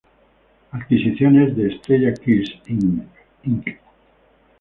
Adquisiciones de Estrella-Kist Inc.